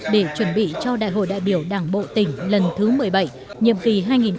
để chuẩn bị cho đại hội đại biểu đảng bộ tỉnh lần thứ một mươi bảy nhiệm kỳ hai nghìn hai mươi hai nghìn hai mươi năm